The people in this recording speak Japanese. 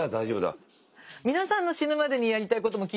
皆さんの死ぬまでにやりたいことも聞いてみたいわね。